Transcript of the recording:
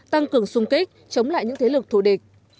tăng cường sung kích chống lại những thế lực thù địch